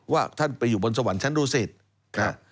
ว่าท่านไปอยู่บนสวรรค์ชั้นดูสิต